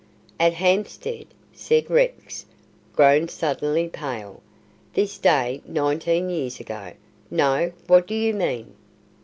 "At Hampstead!" said Rex, grown suddenly pale. "This day nineteen years ago. No! What do you mean?"